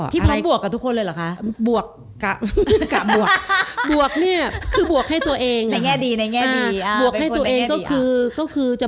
พร้อมบวกกับทุกคนเลยเหรอคะ